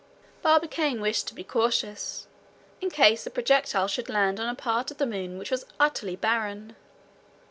Barbicane wished to be cautious, in case the projectile should land on a part of the moon which was utterly barren.